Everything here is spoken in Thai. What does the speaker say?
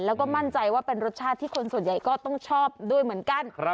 แล้วก็มั่นใจว่าเป็นรสชาติที่คนส่วนใหญ่ก็ต้องชอบด้วยเหมือนกัน